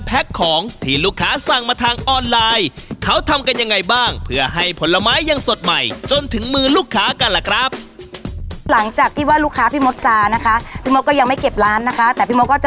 ทุกคนที่มดไข่สองร้อยห้าสิบคือถูกนะใช่ค่ะงั้นราคาดีขนาดนี้นะครับจ้ะ